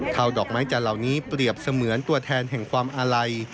ดอกไม้จันทร์เหล่านี้เปรียบเสมือนตัวแทนแห่งความอาลัย